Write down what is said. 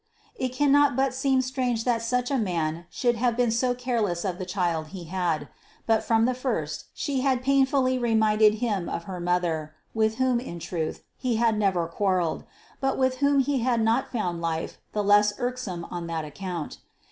It cannot but seem strange that such a man should have been so careless of the child he had. But from the first she had painfully reminded him of her mother, with whom in truth he had never quarrelled, but with whom he had not found life the less irksome on that account.